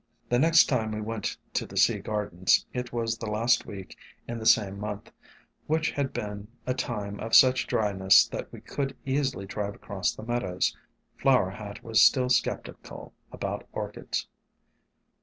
The next time we went to the Sea Gardens, it was the last week in the same month, which had been a time of such dryness that we could easily drive across the meadows. Flower Hat was still skeptical about Orchids.